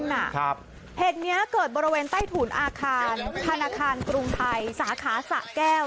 เหตุนี้เกิดบริเวณใต้ถุนอาคารธนาคารกรุงไทยสาขาสะแก้ว